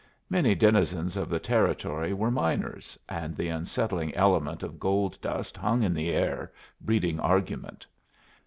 Many denizens of the Territory were miners, and the unsettling element of gold dust hung in the air, breeding argument.